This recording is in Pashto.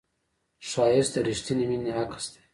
ښایست د رښتینې مینې عکس دی